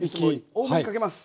多めにかけます。